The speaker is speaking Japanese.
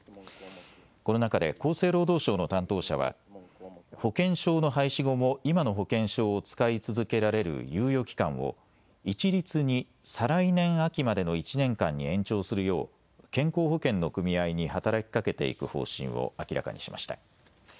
この中で厚生労働省の担当者は保険証の廃止後も今の保険証を使い続けられる猶予期間を一律に再来年秋までの１年間に延長するよう健康保険の組合に働きかけていく方針を明らかにしました。